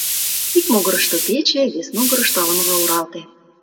Ик могырышто — пече, вес могырышто — ала-могай оралте.